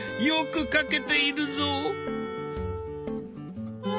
よく描けているぞ！